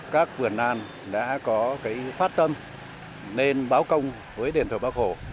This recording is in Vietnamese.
các vườn an đã có cái phát tâm nên báo công với đền thờ bắc hồ